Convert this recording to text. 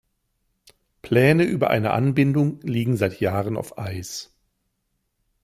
Pläne über eine Anbindung liegen seit Jahren auf Eis.